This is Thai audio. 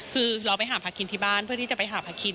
คือเราไปหาพาคินที่บ้านเพื่อที่จะไปหาพาคิน